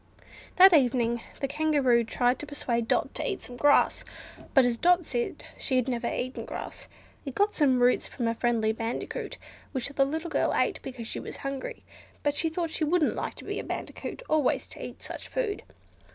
That evening the Kangaroo tried to persuade Dot to eat some grass, but as Dot said she had never eaten grass, it got some roots from a friendly Bandicoot, which the little girl ate because she was hungry; but she thought she wouldn't like to be a Bandicoot always to eat such food.